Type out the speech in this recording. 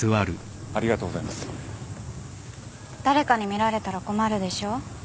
誰かに見られたら困るでしょう？